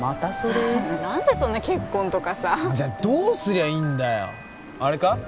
何でそんな結婚とかさじゃあどうすりゃいいんだよあれか？